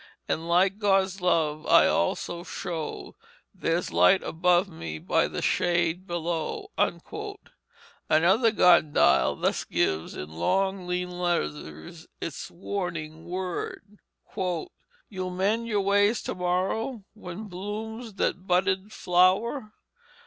And like God's love I also show Theres light above me, by the shade below." Another garden dial thus gives, "in long, lean letters," its warning word: "You'll mend your Ways To morrow When blooms that budded Flour?